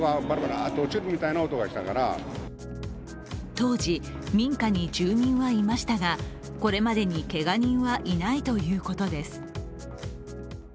当時、民家に住民はいましたがこれまでにけが人はいないということです。